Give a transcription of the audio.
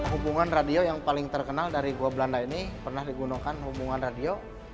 hubungan radio yang paling terkenal dari gua belanda ini pernah digunakan hubungan radio